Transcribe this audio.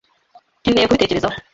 Nkeneye kubitekerezaho.